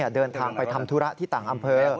เดินทางไปทำธุระที่ต่างอำเภอ